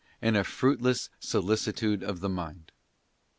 245 «++ and a fruitless solicitude of the mind.